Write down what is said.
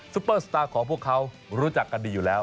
เปอร์สตาร์ของพวกเขารู้จักกันดีอยู่แล้ว